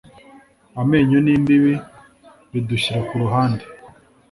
amenyo nimbibi bidushyira kuruhande